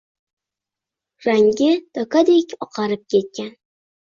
Rangi dokadek oqarib ketgan